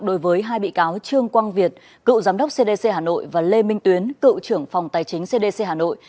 đối với hai bị cáo trương quang việt cựu giám đốc cdc hà nội và lê minh tuyến cựu trưởng phòng tài chính cdc hà nội